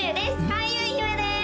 開運姫です！